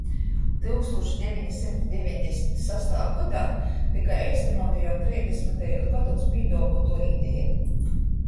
Tyukstūša deveni symti deveņdesmit sastā godā tyka eistynuota jau treisdasmytajūs godūs pīduovuotuo ideja